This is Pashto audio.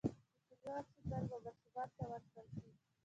د پولیو واکسین باید و ماشومانو ته ورکړل سي.